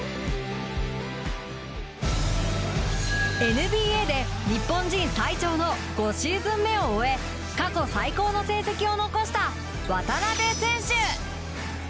ＮＢＡで日本人最長の５シーズン目を終え過去最高の成績を残した渡邊選手。